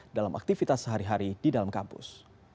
dalam aktivitas sehari hari di dalam kampus